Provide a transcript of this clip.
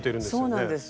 そうなんです。